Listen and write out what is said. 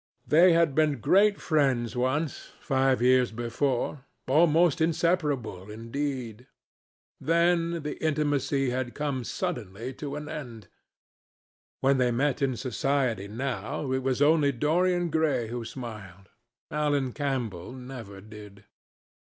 They had been great friends once, five years before—almost inseparable, indeed. Then the intimacy had come suddenly to an end. When they met in society now, it was only Dorian Gray who smiled: Alan Campbell never did.